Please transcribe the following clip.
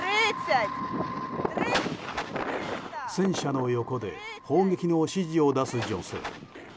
戦車の横で砲撃の指示を出す女性。